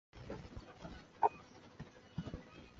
德国受害者起初被葬在登堡的普通公墓的一个区域内。